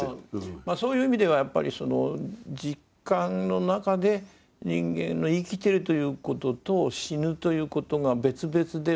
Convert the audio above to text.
そういう意味ではやっぱりその実感の中で人間の生きてるということと死ぬということが別々ではない。